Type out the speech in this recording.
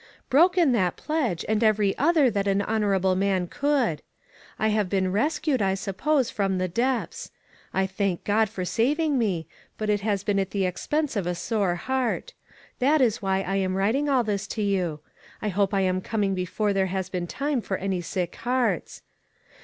Broken that pledge, and every other that an honorable man could. I have been rescued, I sup pose, from the depths. I thank God for saving me, but it has been at the expense of a sore heart. This is why I am writing all this to you. I hope I am coming be fore there has been time for any sick hearts.